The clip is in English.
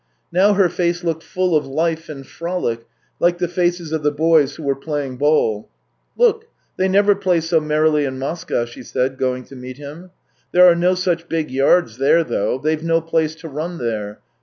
Now her face looked full of life and frolic, like the faces of the boys who were playing ball. " Look, the}' never play so merrily in Moscow," she said, going to meet him. " There are no such big yards there, though; they've no place to run there.